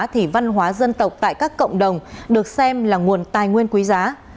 thì văn hóa dân tộc tại các cộng đồng được xem là nguồn tài nguyên quý giá